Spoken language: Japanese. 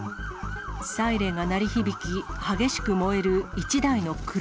サイレンが鳴り響き、激しく燃える１台の車。